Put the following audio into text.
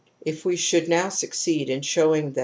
If we should now succeed in showing that